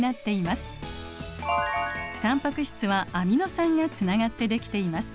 タンパク質はアミノ酸がつながってできています。